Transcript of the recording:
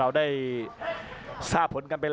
อัศวินาศาสตร์